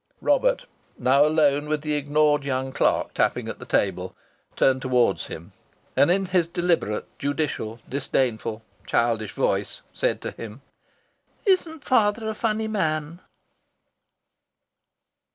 Robert, now alone with the ignored young clerk tapping at the table, turned towards him, and in his deliberate, judicial, disdainful, childish voice said to him: "Isn't father a funny man?"